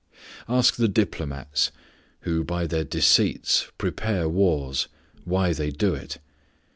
Ask the diplomatists, who, by their deceits, prepare wars, why they do it.